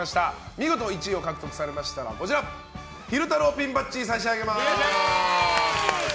見事１位を獲得されましたら昼太郎ピンバッジ差し上げます。